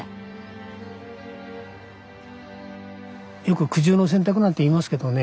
よく苦渋の選択なんて言いますけどね